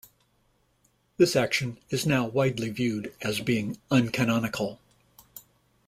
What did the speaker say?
This action is now widely viewed as being uncanonical.